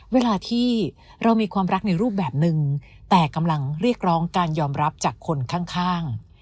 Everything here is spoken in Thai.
เวลาที่เรามีความรักในรูปแบบนึงแต่กำลังเรียกร้องการยอมรับจากคนข้าง